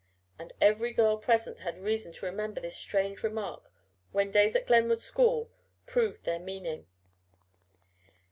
And every girl present had reason to remember this strange remark when days at Glenwood school proved their meaning.